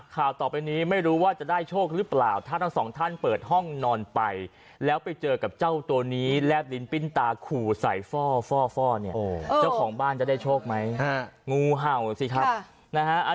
ข่าวต่อไปนี้ไม่รู้ว่าจะได้โชคหรือเปล่าถ้าทั้งสองท่านเปิดห้องนอนไปแล้วไปเจอกับเจ้าตัวนี้แลบลิ้นปิ้นตาขู่ใส่ฟ่อเนี่ยเจ้าของบ้านจะได้โชคไหมงูเห่าสิครับนะฮะ